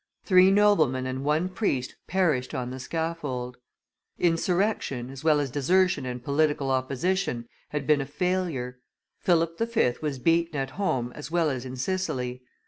Three noblemen and one priest perished on the scaffold. Insurrection, as well as desertion and political opposition, had been a failure; Philip V. was beaten at home as well as in Sicily.